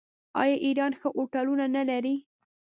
آیا ایران ښه هوټلونه نلري؟